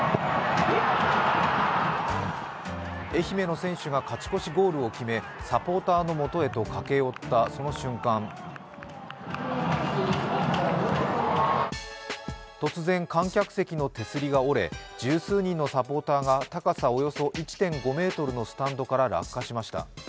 愛媛の選手が勝ち越しゴールを決めサポーターの元へと駆け寄った、その瞬間突然、観客席の手すりが折れ十数人のサポーターが高さおよそ１．５ｍのスタンドから落下しました。